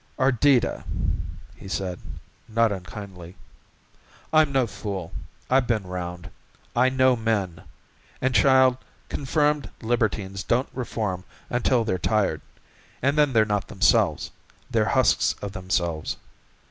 "Ardita," he said not unkindly, "I'm no fool. I've been round. I know men. And, child, confirmed libertines don't reform until they're tired and then they're not themselves they're husks of themselves."